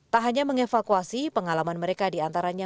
tak hanya mengevakuasi pengalaman mereka diantaranya